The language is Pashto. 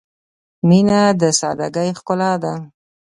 • مینه د سادګۍ ښکلا ده.